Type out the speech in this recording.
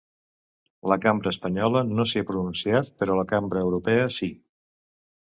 La cambra espanyola no s’hi ha pronunciat, però la cambra europea sí.